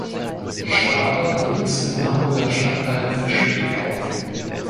Schrader wuchs im Hamburger Stadtteil Fischbek auf.